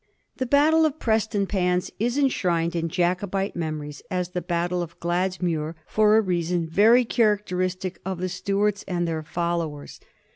The battle of Prestonpans is enshrined in Jacobite memories as the battle of Gladsmuir, for a reason very characteristic of the Stuarts and their followers.